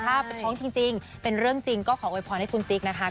ถ้าเป็นพวกจริงเป็นเรื่องจริงก็ขอโอยภภ้าภัยให้คุณติ๊กนะคะ